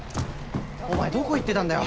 お前どこ行ってたんだよ。